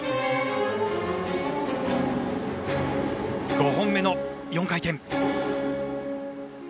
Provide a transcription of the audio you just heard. ５本目の４回転。